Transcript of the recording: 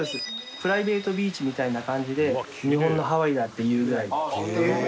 プライベートビーチみたいな感じで日本のハワイだっていうぐらい。